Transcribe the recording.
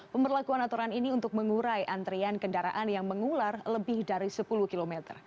pemberlakuan aturan ini untuk mengurai antrian kendaraan yang mengular lebih dari sepuluh km